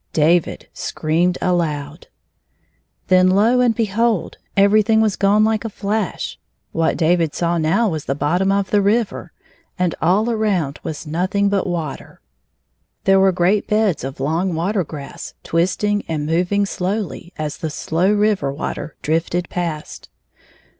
David screamed aloud. Then, lo and behold ! everything was gone like a flash. What David saw now was the bottom of the river, and all around was nothing but water. There were great beds of long water grass twisting and moving slowly as the slow river water drifted past.